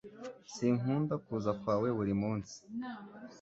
Sinkunda kuza kwawe burimunsi